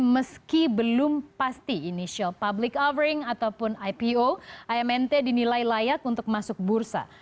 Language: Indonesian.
meski belum pasti initial public offering ataupun ipo amnt dinilai layak untuk masuk bursa